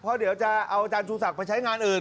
เพราะเดี๋ยวจะเอาอาจารย์ชูศักดิ์ไปใช้งานอื่น